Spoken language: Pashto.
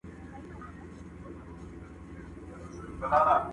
o ژوند راته لنډوکی د شبنم راکه.